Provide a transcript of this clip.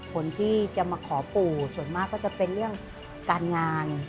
คนที่จะมาขอปู่ส่วนมากก็จะเป็นเรื่องการงาน